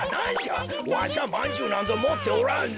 わしはまんじゅうなんぞもっておらんぞ。